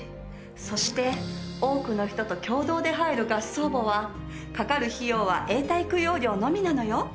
そして多くの人と共同で入る合葬墓はかかる費用は永代供養料のみなのよ。